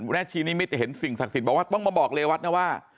แม่ชีนิมิตเห็นสิ่งศักดิ์สิทธิ์บอกว่าต้องมาบอกเรวัตนะว่า